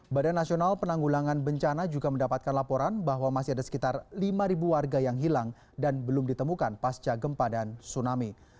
badan nasional penanggulangan bencana juga mendapatkan laporan bahwa masih ada sekitar lima warga yang hilang dan belum ditemukan pasca gempa dan tsunami